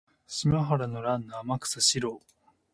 島原の乱の天草四郎